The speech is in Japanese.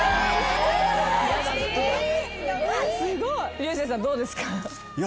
竜星さんどうですか？